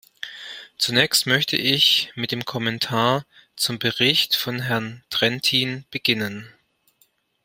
Zunächst möchte ich mit dem Kommentar zum Bericht von Herrn Trentin beginnen.